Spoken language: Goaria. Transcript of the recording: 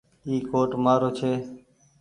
اي ڪوٽ مآ رو ڇي ۔